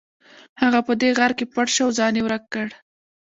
هغه په دې غار کې پټ شو او ځان یې ورک کړ